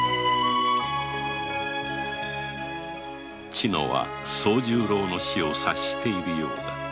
千乃は惣十郎の死を察しているようだ。